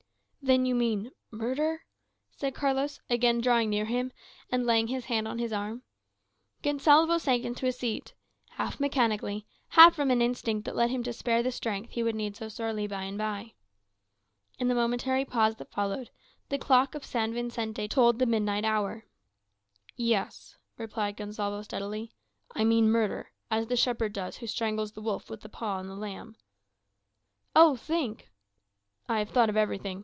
"Then you mean murder?" said Carlos, again drawing near him, and laying his hand on his arm. Gonsalvo sank into a seat, half mechanically, half from an instinct that led him to spare the strength he would need so sorely by and by. In the momentary pause that followed, the clock of San Vicente tolled the midnight hour. "Yes," replied Gonsalvo steadily; "I mean murder as the shepherd does who strangles the wolf with his paw on the lamb." "Oh, think " "I have thought of everything.